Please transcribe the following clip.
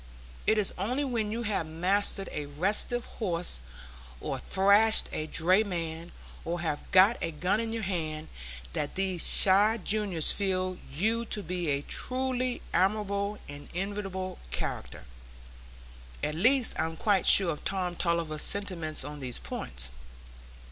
It is only when you have mastered a restive horse, or thrashed a drayman, or have got a gun in your hand, that these shy juniors feel you to be a truly admirable and enviable character. At least, I am quite sure of Tom Tulliver's sentiments on these points.